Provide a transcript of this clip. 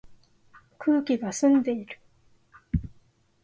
空気が澄んでいる